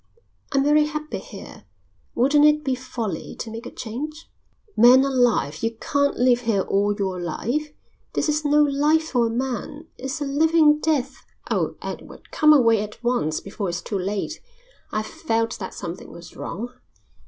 "I'm very happy here. Wouldn't it be folly to make a change?" "Man alive, you can't live here all your life. This is no life for a man. It's a living death. Oh, Edward, come away at once, before it's too late. I've felt that something was wrong.